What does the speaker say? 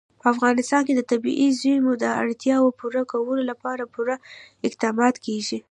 په افغانستان کې د طبیعي زیرمو د اړتیاوو پوره کولو لپاره پوره اقدامات کېږي.